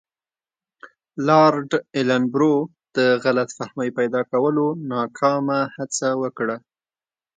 لارډ ایلن برو د غلط فهمۍ پیدا کولو ناکامه هڅه وکړه.